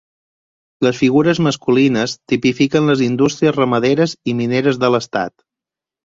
Les figures masculines tipifiquen les indústries ramaderes i mineres de l'estat.